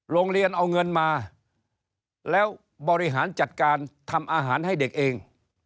โรงเรียนเอาเงินมาแล้วบริหารจัดการทำอาหารให้เด็กเอง